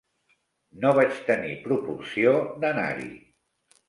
No vaig tenir proporció d'anar-hi.